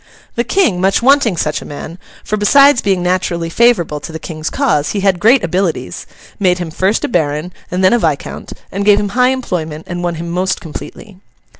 The King, much wanting such a man—for, besides being naturally favourable to the King's cause, he had great abilities—made him first a Baron, and then a Viscount, and gave him high employment, and won him most completely.